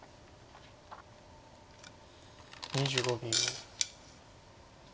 ２５秒。